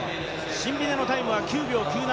シンビネのタイムは９秒９７。